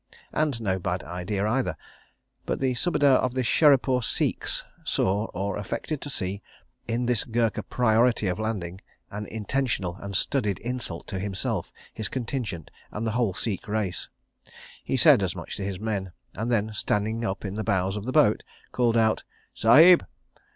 And no bad idea either—but the Subedar of the Sherepur Sikhs saw, or affected to see, in this Gurkha priority of landing, an intentional and studied insult to himself, his contingent, and the whole Sikh race. He said as much to his men, and then, standing up in the bows of the boat, called out: "Sahib!